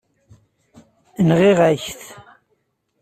Nɣiɣ-ak-t.